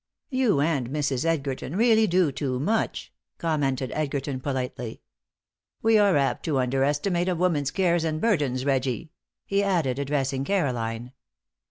"You and Mrs. Edgerton really do too much," commented Edgerton, politely. "We are apt to underestimate a woman's cares and burdens, Reggie," he added, addressing Caroline.